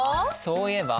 そういえば。